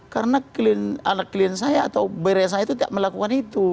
karena anak klien saya atau bayi saya itu tidak melakukan itu